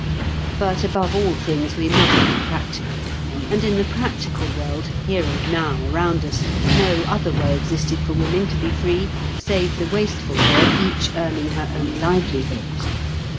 But above all things we must be practical; and in the practical world here and now around us, no other way existed for women to be free save the wasteful way of each earning her own livelihood.